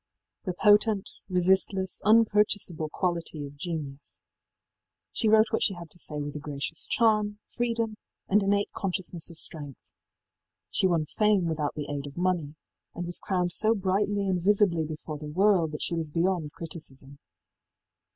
The potent, resistless, unpurchasable quality of Genius. She wrote what she had to say with a gracious charm, freedom, and innate consciousness of strength. She won fame without the aid of money, and was crowned so brightly and visibly before the world that she was beyond criticism.